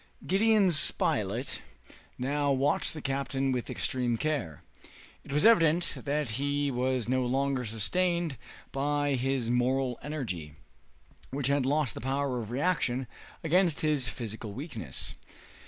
Gideon Spilett now watched the captain with extreme care. It was evident that he was no longer sustained by his moral energy, which had lost the power of reaction against his physical weakness.